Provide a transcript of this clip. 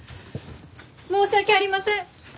申し訳ありません！